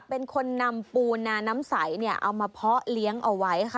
เป็นคนนำปูนาน้ำใสเนี่ยเอามาเพาะเลี้ยงเอาไว้ค่ะ